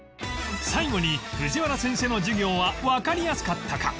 最後に藤原先生の授業はわかりやすかったか？